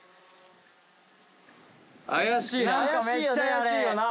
怪しいよね